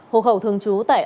hồ khẩu thường trú tại